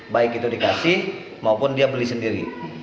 baik itu dikasih maupun dia beli sendiri